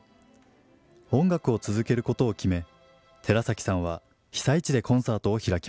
音楽を続けることを決め寺崎さんは被災地でコンサートを開きます。